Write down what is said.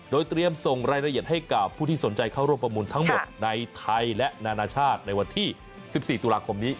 โดยเตรียมส่งรายละเอียดให้กับผู้ที่สนใจเข้าร่วมประมูลทั้งหมดในไทยและนานาชาติในวันที่๑๔ตุลาคมนี้